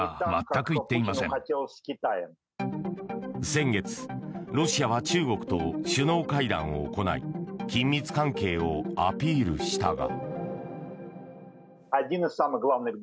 先月、ロシアは中国と首脳会談を行い緊密関係をアピールしたが。